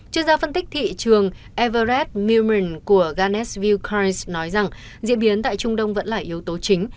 chuyên gia phân tích thị trường everett mewman của gannett view cars nói rằng diễn biến tại trung đông vẫn là yếu tố chính